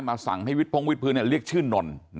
สั่งให้วิทพงวิทพื้นเรียกชื่อนน